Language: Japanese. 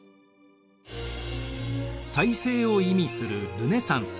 再生を意味するルネサンス。